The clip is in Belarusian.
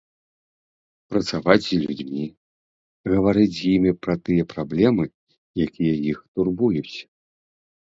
Працаваць з людзьмі, гаварыць з імі пра тыя праблемы, якія іх турбуюць.